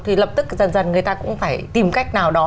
thì lập tức dần dần người ta cũng phải tìm cách nào đó